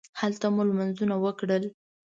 هلته مو لمونځونه وکړل.